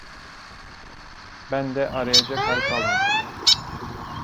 Bende arayacak hal kalmadı.